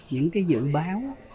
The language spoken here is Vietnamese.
những cái dự báo